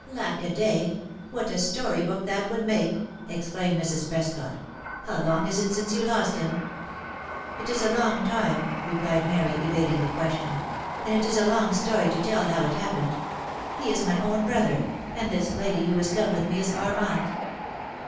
" Lack a day ! what a story book that would make !" exclaimed Mrs. Prescot. " How long is it since you lost him ?"" It is a long time," replied Mary, evading the question, " and it is a long story to tell how it happened. He is my own brother — and this lady who is come with me is our aunt."